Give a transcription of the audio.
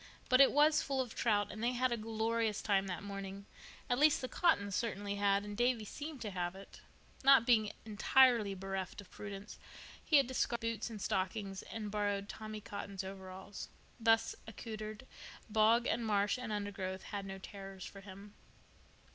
But it was full of trout, and they had a glorious time that morning—at least the Cottons certainly had, and Davy seemed to have it. Not being entirely bereft of prudence, he had discarded boots and stockings and borrowed Tommy Cotton's overalls. Thus accoutered, bog and marsh and undergrowth had no terrors for him.